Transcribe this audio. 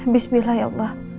bismillah ya allah